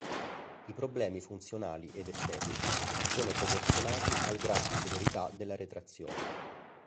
I problemi funzionali ed estetici sono proporzionati al grado di severità della retrazione.